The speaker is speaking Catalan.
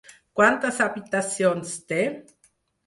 Quantes habitacions té?